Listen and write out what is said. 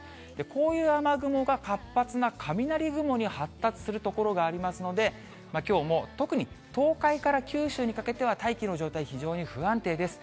こういう雨雲が活発な雷雲に発達する所がありますので、きょうも特に東海から九州にかけては、大気の状態、非常に不安定です。